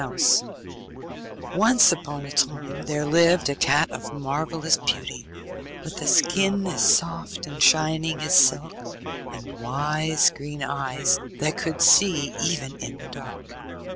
] Once upon a time there lived a cat of marvellous beauty, with a skin as soft and shining as silk, and wise green eyes, that could see even in the dark.